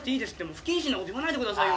不謹慎な事言わないでくださいよ。